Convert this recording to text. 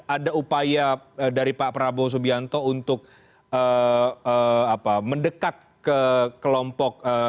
ada upaya dari pak prabowo subianto untuk mendekat ke kelompok